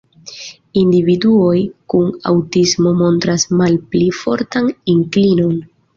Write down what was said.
Individuoj kun aŭtismo montras malpli fortan inklinon.